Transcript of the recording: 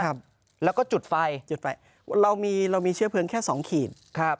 ครับแล้วก็จุดไฟจุดไฟเรามีเรามีเชื้อเพลิงแค่สองขีดครับ